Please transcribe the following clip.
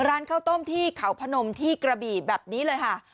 ร้านข้าวต้มที่เขาพนมที่กระบี่แบบนี้เลยค่ะ